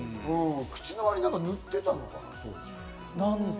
口に何か塗ってたのかな？